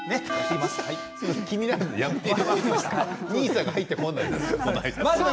ＮＩＳＡが入ってこないです。